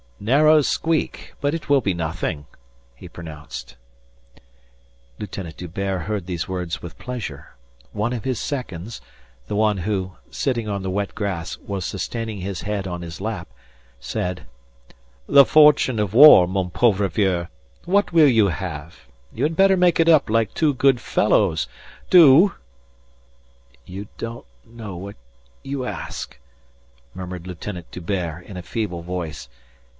"Narrow squeak. But it will be nothing," he pronounced. Lieutenant D'Hubert heard these words with pleasure. One of his seconds the one who, sitting on the wet grass, was sustaining his head on his lap said: "The fortune of war, mon pauvre vieux. What will you have? You had better make it up, like two good fellows. Do!" "You don't know what you ask," murmured Lieutenant D'Hubert in a feeble voice.